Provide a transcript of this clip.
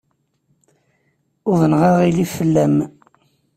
Uḍneɣ aɣilif fell-am.